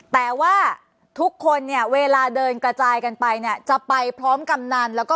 แต่ว่าทุกคนเนี่ยเวลาเดินกระจายกันไปเนี่ยจะไปพร้อมกำนันแล้วก็